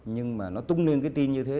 nhưng mà nó tung lên cái tin như thế